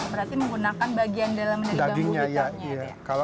berarti menggunakan bagian dalam dari bambu hitamnya ya